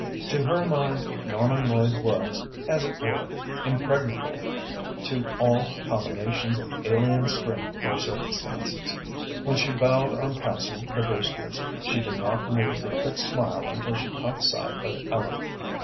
To her mind Norman Lloyd was, as it were, impregnable to all combinations of alien strength or circumstances. When she bowed on passing the Brewsters, she did not move her fixed smile until she caught sight of Ellen.